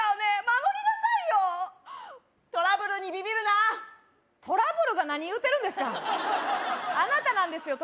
守りなさいよトラブルにビビるなトラブルが何言うてるんですかあなたなんですよ